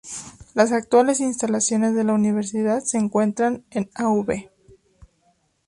Las actuales instalaciones de la universidad se encuentran en Av.